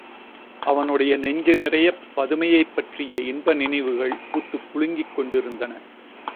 அவனுடைய நெஞ்சு நிறையப் பதுமையைப் பற்றிய இன்ப நினைவுகள் பூத்துக் குலுங்கிக் கொண்டிருந்தன.